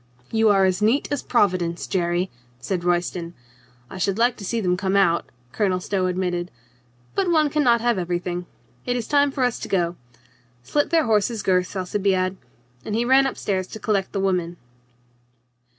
"You are as neat as Providence, Jerry" said Roy ston. "I should like to see them come out," Colonel Stow admitted. "But one can not have everything. It is time for us to go. Slit their horses' girths, Alci biade," and he ran up stairs to collect the women.